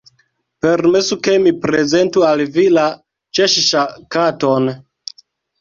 Permesu ke mi prezentu al vi la Ĉeŝŝa_ Katon."